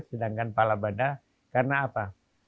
sedangkan pala bandar karena apa